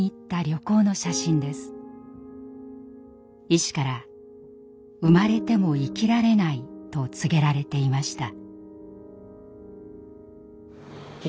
医師から「生まれても生きられない」と告げられていました。